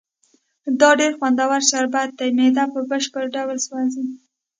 دا ډېر خوندور شربت دی، معده په بشپړ ډول سوځي.